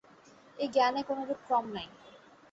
এই জ্ঞানে কোনরূপ ক্রম নাই।